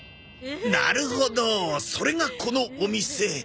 なるほどそれがこのお店。